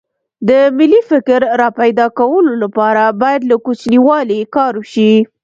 د ملي فکر راپیدا کولو لپاره باید له کوچنیوالي کار وشي